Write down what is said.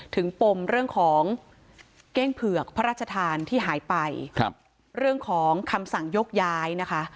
ปมเรื่องของเก้งเผือกพระราชทานที่หายไปครับเรื่องของคำสั่งยกย้ายนะคะ